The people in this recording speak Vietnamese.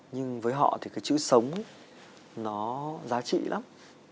nhưng với họ thì cái chữ sống nó giá trị lắm